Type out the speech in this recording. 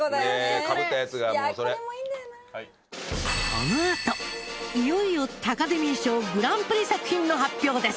このあといよいよタカデミー賞グランプリ作品の発表です。